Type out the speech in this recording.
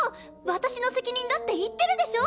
私の責任だって言ってるでしょ！